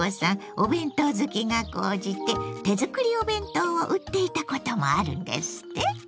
お弁当好きが高じて手作りお弁当を売っていたこともあるんですって？